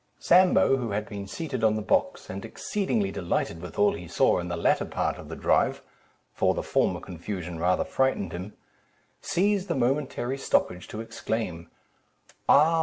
Sambo, who had been seated on the box, and exceedingly delighted with all he saw in the latter part of the drive (for the former confusion rather frightened him), seized the momentary stoppage to exclaim—"Ah!